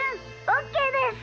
オッケーです！